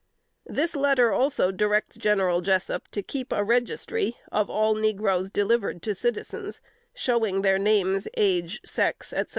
" This letter also directs General Jessup to keep a registry of all negroes delivered to citizens, showing their names, age, sex, etc.